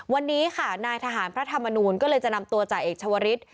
วันนี้ค่ะนายทหารพระธรรมนูลก็เลยจะนำตัวจ่าเอกชาวฤทธิ์